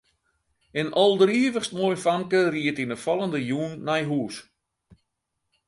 In alderivichst moai famke ried yn 'e fallende jûn nei hús.